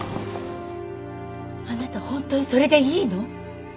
あなた本当にそれでいいの？